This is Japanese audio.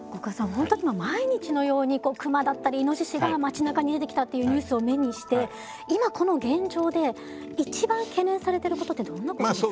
本当に毎日のようにクマだったりイノシシが街なかに出てきたっていうニュースを目にして今この現状で一番懸念されてることってどんなことですか？